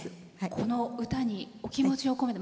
この歌にお気持ちを込めて。